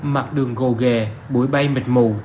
mặt đường gồ ghề buổi bay mịt mù